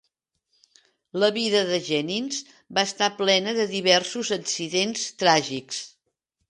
La vida de Jennings va estar plena de diversos accidents tràgics.